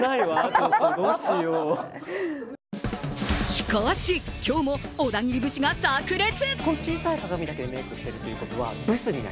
しかし今日も小田切節が炸裂。